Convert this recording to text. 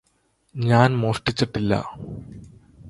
ഞാന് മോഷ്ടിച്ചിട്ടില്ല